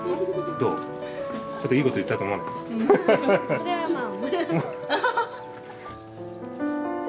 それはまあ。